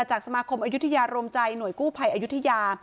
จากสมาคมอายุทยารวมใจหน่วยกู้ภัยอายุทยา